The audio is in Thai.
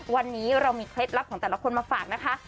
วันนี้เรามีเคล็ดลับของแต่ละคนมาฝากนะคะ